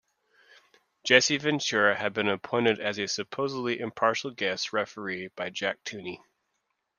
Jesse Ventura had been appointed as a supposedly impartial guest referee by Jack Tunney.